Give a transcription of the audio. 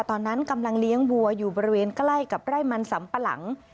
ตอนนั้นกำลังเลี้ยงวัวอยู่บริเวณใกล้กับไร่มันสำปะหลัง